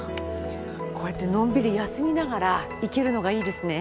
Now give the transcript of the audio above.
こうやってのんびり休みながら行けるのがいいですね。